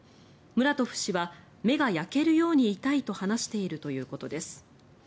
ムラトフ氏は目が焼けるように痛いと話しているということです。